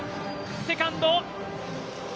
セカンド。